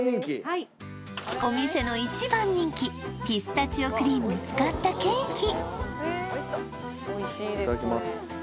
・はいお店の１番人気ピスタチオクリームを使ったケーキいただきます